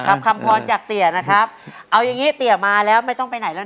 คำพรจากเตี๋ยนะครับเอาอย่างงี้เตี๋ยมาแล้วไม่ต้องไปไหนแล้วนะ